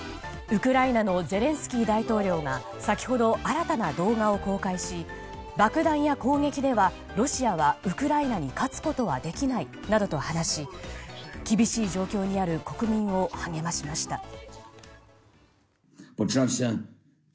ウクライナのゼレンスキー大統領が先程、新たな動画を公開し爆弾や攻撃ではロシアはウクライナに勝つことはできないなどと話し厳しい状況にある国民を励ましました。